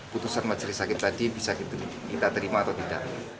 putusan masjid sakit tadi bisa kita terima atau tidak